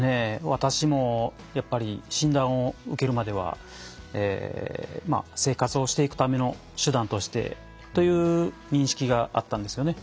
私もやっぱり診断を受けるまでは生活をしていくための手段としてという認識があったんですよね。